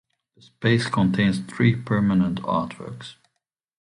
The space contains three permanent artworks.